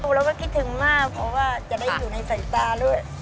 เราก็คิดถึงมากเพราะว่าจะได้อยู่ในสายตาด้วย